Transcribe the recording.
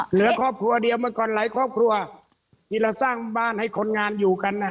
เหลือครอบครัวเดียวเมื่อก่อนหลายครอบครัวที่เราสร้างบ้านให้คนงานอยู่กันอ่ะ